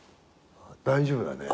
大丈夫だね。